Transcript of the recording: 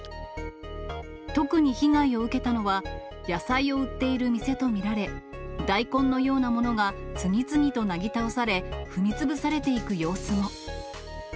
特に被害を受けたのは、野菜を売っている店と見られ、大根のようなものが次々となぎ倒され、踏みつぶされていく様子も。